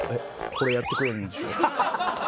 これやってくれるんでしょ？